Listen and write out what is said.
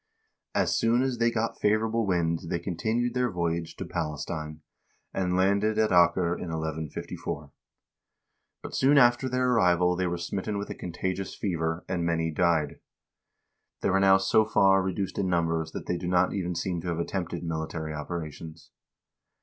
As soon as they got favorable wind they continued their voyage to Palestine, and landed at Acre in 1154 ; but soon after their arrival they were smitten with a contagious fever, and many died. They were now so far reduced in numbers that they do not even seem to have attempted military operations.